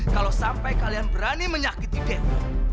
kalau sampai kalian berani menyakiti deto